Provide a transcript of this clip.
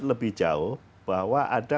lebih jauh bahwa ada